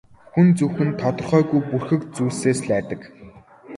Хүн зөвхөн тодорхойгүй бүрхэг зүйлсээс л айдаг.